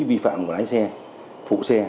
vi phạm của lái xe phụ xe